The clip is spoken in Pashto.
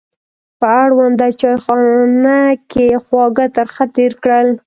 په اړونده چایخونه کې خواږه ترخه تېر کړل.